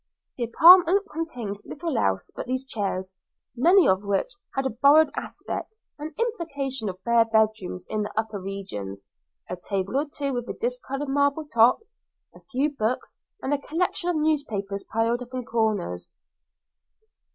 The apartment contained little else but these chairs, many of which had a borrowed aspect, an implication of bare bedrooms in the upper regions; a table or two with a discoloured marble top, a few books, and a collection of newspapers piled up in corners.